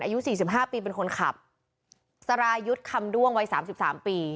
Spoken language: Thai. อายุสี่สิบห้าปีเป็นคนขับสรายุทธ์คำด้วงวัยสามสิบสามปี